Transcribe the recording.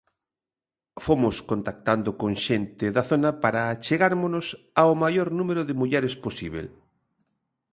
Fomos contactando con xente da zona para achegármonos ao maior número de mulleres posíbel.